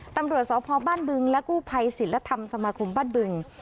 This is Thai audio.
ตำรวจสพบ้านบึงและกู้ภัยศิลธรรมสมาคมบ้านบึง